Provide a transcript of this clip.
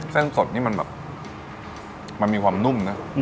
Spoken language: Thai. เส้นสดนี่มันแบบมันมีความนุ่มนะ